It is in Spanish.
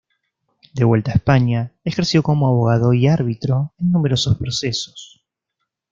De vuelta a España, ejerció como abogado y árbitro en numerosos procesos.